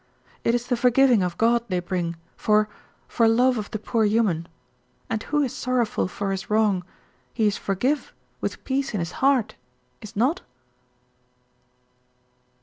It is the forgiving of God they bring for for love of the poor human, and who is sorrowful for his wrong he is forgive with peace in his heart, is not?"